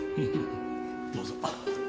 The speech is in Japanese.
どうぞ。